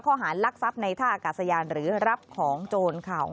ข้อหารลักษัพในท่ากัสยานเหรอี๊รับของโจรของ